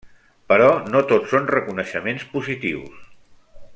Però no tot són reconeixements positius.